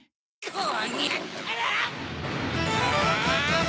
こうニャったら！